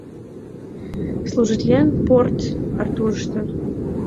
Служитлен Порт-Артурышто.